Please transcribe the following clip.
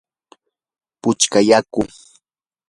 puchka yaku.